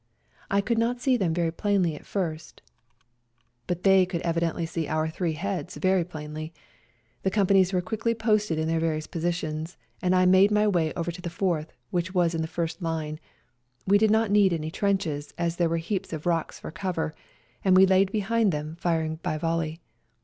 I could not see them plainly at first, but they could evidently see our three heads FIGHTING ON MOUNT CHUKUS 139 very plainly. The companies were quickly posted in their various positions, and I made my way over to the Fourth, which was in the first line ; we did not need any trenches, as there were heaps of rocks for cover, and we laid behind them firing by voUey.